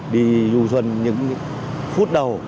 đi du xuân những phút đầu